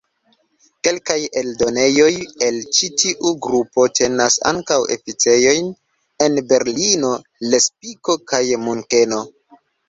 Kelkaj eldonejoj el ĉi tiu grupo tenas ankaŭ oficejojn en Berlino, Lepsiko kaj Munkeno.